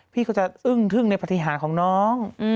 พี่เขาจะอึ้งทึ่งในพัฒธิหารของน้อง